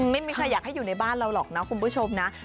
ไม่มีใครอยากให้อยู่ในบ้านเราหรอกนะคุณผู้ชมนะ